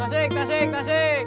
tasik tasik tasik